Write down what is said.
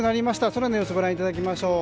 空の様子、ご覧いただきましょう。